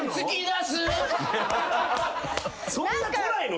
そんな来ないの？